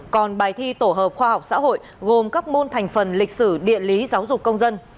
còn bài thi tổ hợp khoa học xã hội gồm các môn thành phần lịch sử địa lý giáo dục công dân